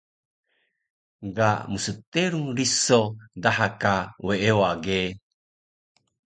Ga msterung riso daha ka weewa ge